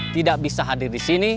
tidak bisa hadir di sini